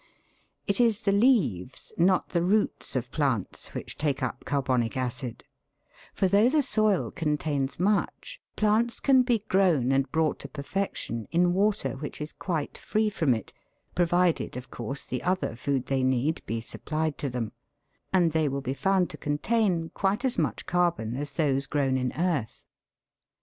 It is the leaves, not the roots of plants which take up carbonic acid ; for though the soil contains much, plants can be grown and brought to perfection in water which is quite free from it, provided, of course, the other food they need be supplied to them; and they will be found to contain quite as much carbon as those grown in earth.